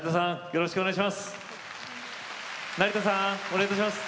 よろしくお願いします。